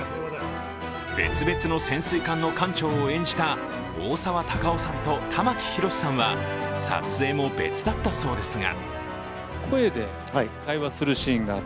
別々の潜水艦の艦長を演じた大沢たかおさんと玉木宏さんは撮影も別だったそうですが